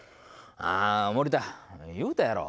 森田、言うたやろ。